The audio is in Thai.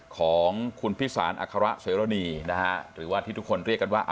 ของคุณพิสารอัคระเสรณีนะฮะหรือว่าที่ทุกคนเรียกกันว่า